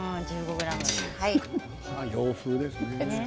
洋風ですね。